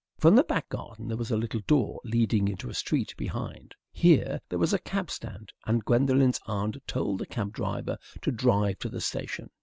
From the back garden there was a little door leading into a street behind. Here there was a cab stand, and Gwendolen's aunt told the cab driver to drive to the station.